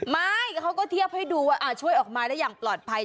ไม่เขาก็เทียบให้ดูว่าช่วยออกมาได้อย่างปลอดภัย